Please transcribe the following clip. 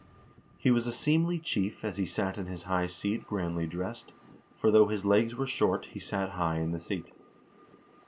He was a seemly chief as he sat in his high seat grandly dressed ; for though his legs were short he sat high in the seat.